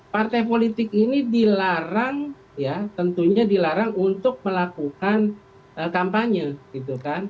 partai politik ini dilarang ya tentunya dilarang untuk melakukan kampanye gitu kan